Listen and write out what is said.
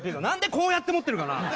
なんでこうやって持ってるかな！